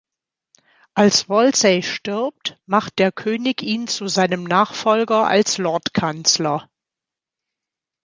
Als Wolsey stirbt, macht der König ihn zu seinem Nachfolger als Lordkanzler.